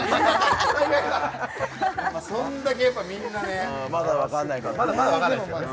そんだけやっぱみんなねまだわかんないからね・まだわかんないですからね